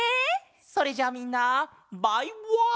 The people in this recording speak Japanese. それじゃあみんなバイワン！